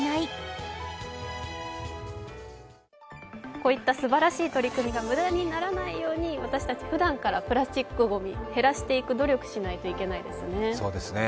こういったすばらしい取り組みが無駄にならないように私たちふだんからプラスチックごみ減らしていく努力しないといけないですよね。